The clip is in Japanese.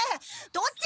どっちが。